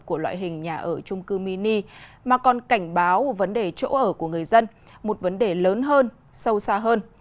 của loại hình nhà ở trung cư mini mà còn cảnh báo vấn đề chỗ ở của người dân một vấn đề lớn hơn sâu xa hơn